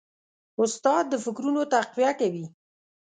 استاد د فکرونو تقویه کوي.